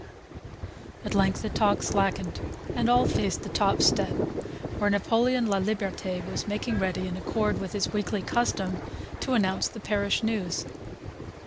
At length the talk slackened and all faced the top step, where Napoleon Laliberte was making ready, in accord with his weekly custom, to announce the parish news.